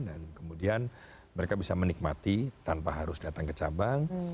dan kemudian mereka bisa menikmati tanpa harus datang ke cabang